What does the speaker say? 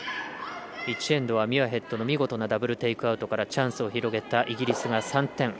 １エンドはミュアヘッドの見事なダブル・テイクアウトからチャンスを広げたイギリスが３点。